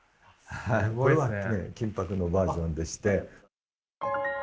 これは金箔のバージョンでして。